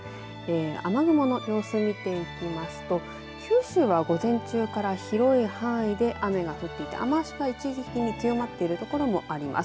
雨雲の様子、見ていきますと九州は午前中から広い範囲で雨が降っていて雨足が一時的に強まっている所もあります。